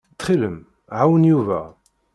Ttxil-m, ɛawen Yuba.